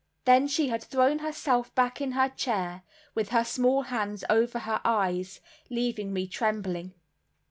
Then she had thrown herself back in her chair, with her small hands over her eyes, leaving me trembling.